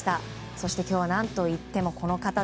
そして今日は何といってもこの方。